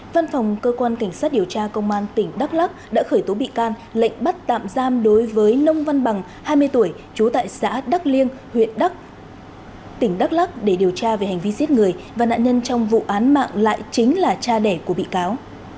văn phòng cơ quan cảnh sát điều tra công an tỉnh đắk lắc đã khởi tố bị can lệnh bắt tạm giam đối với nông văn bằng hai mươi tuổi trú tại xã đắc liêng huyện đắk lắc để điều tra về hành vi giết người và nạn nhân trong vụ án mạng lại chính là cha đẻ của bị cáo